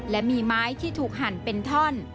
และมีไม้ที่ถูกหั่นเป็นท่อน